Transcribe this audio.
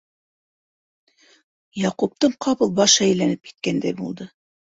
Яҡуптың ҡапыл башы әйләнеп киткәндәй булды.